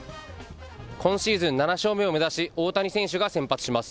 今シーズン７勝目を目指し、大谷選手が先発します。